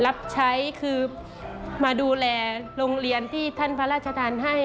รับใช้คือมาดูแลโรงเรียนที่ท่านพระราชทานให้